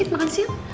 nanti dia makan siang